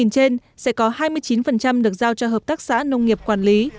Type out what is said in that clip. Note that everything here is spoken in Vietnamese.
bảy trăm linh trên sẽ có hai mươi chín được giao cho hợp tác xã nông nghiệp quản lý